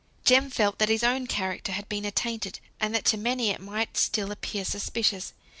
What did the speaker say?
Jem felt that his own character had been attainted; and that to many it might still appear suspicious.